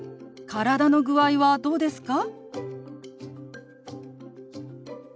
体の具合はどうですか？